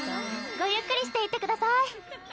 ごゆっくりしていってください。